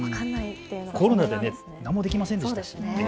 コロナで何もできませんでしたしね。